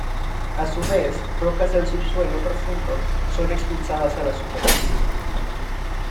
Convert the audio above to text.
A su vez, rocas del subsuelo profundo son expulsadas a la superficie.